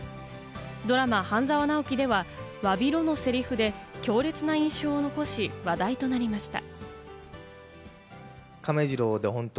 ドラマ『半沢直樹』では「わびろ！」のセリフで強烈な印象を残し、話題となりました。